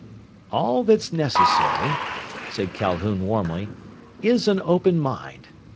"All that's necessary," said Calhoun warmly, "is an open mind.